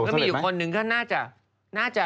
ก็มีอยู่คนหนึ่งก็น่าจะ